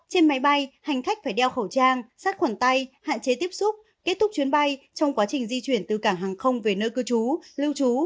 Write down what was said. trên máy bay hành khách phải đeo khẩu trang sát khuẩn tay hạn chế tiếp xúc kết thúc chuyến bay trong quá trình di chuyển từ cảng hàng không về nơi cư trú lưu trú